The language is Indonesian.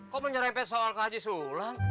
kok menyerahin pes soal kak haji sulam